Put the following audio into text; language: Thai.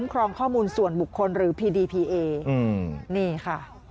ค่ะค่ะค่ะค